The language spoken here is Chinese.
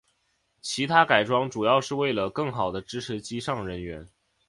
其它改装主要是为了更好地支持机上人员。